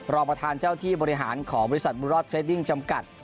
รองประธานเจ้าที่บริหารของบริษัทบูรอดเทรดดิ้งจำกัด